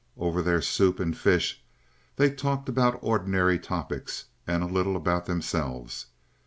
Over their soup and fish they talked about ordinary topics and a little about themselves.